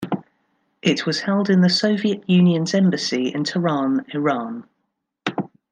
It was held in the Soviet Union's embassy in Tehran, Iran.